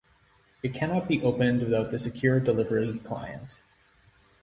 It cannot be opened without the Secure Delivery Client.